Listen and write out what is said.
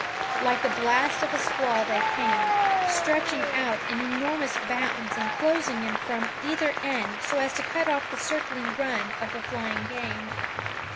Like the blast of a squall they came, stretching out in enormous bounds and closing in from either end so as to cut off the circling run of the flying game.